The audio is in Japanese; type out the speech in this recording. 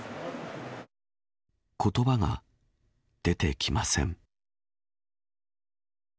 言葉が出てきません。